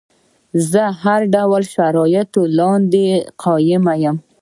زه تر هر ډول شرایطو لاندې قایل یم.